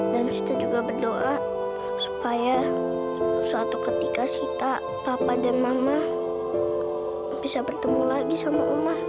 dan sita juga berdoa supaya suatu ketika sita papa dan mama bisa bertemu lagi sama oma